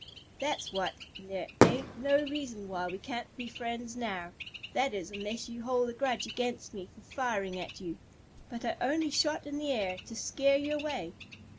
"That's what, and there ain't no reason why we can't be friends now; that is unless you hold a grudge against me for firing at you. But I only shot in the air, to scare you away.